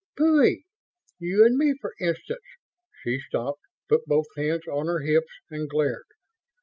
"Phooie. You and me, for instance?" She stopped, put both hands on her hips, and glared.